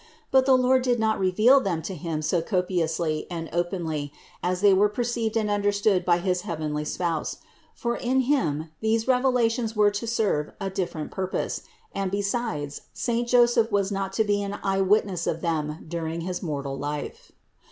But the Lord did not reveal them to him so copiously and openly as they were perceived and understood by his heavenly spouse; for in him these revelations were to serve a different purpose, and besides, saint Joseph was not to be an eye witness of them during his mortal life.